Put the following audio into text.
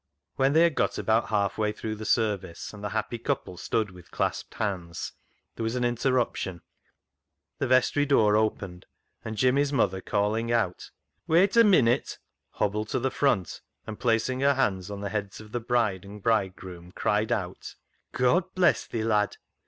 When they had got about halfway through the service, and the happy couple stood with clasped hands, there was an interruption. The vestry door opened, and Jimmy's mother, calling out " Wait a minute," hobbled to the front, and, placing her hands on the heads of the bride and bridegroom, cried out —" God bless thee, lad